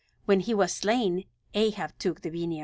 When he was slain Ahab took the vineyard.